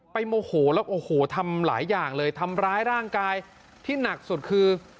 โมโหแล้วโอ้โหทำหลายอย่างเลยทำร้ายร่างกายที่หนักสุดคือ